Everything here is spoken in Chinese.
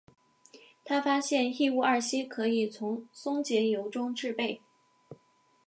他发现异戊二烯可以从松节油中制备。